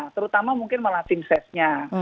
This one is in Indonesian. terutama mungkin malah tim sesnya